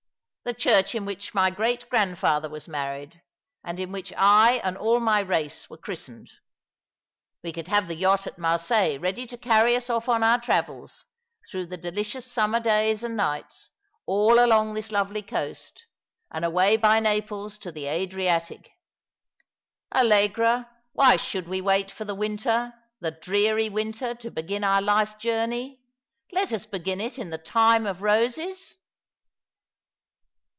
The church in which my great grandfather was married, and in which I and all my race were christened ! We could have the yacht at Marseilles ready to carry us off on our travels, through the delicious summer days and nights, all along this lovely coast, and away by Naples to the Adriatic. Allegra, why should we wait for the winter, the dreary winter, to begin our life journey ? Let us begin it in the time of roses."